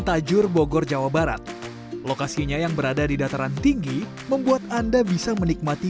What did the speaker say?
tajur bogor jawa barat lokasinya yang berada di dataran tinggi membuat anda bisa menikmati